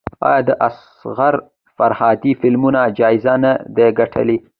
آیا د اصغر فرهادي فلمونه جایزې نه دي ګټلي؟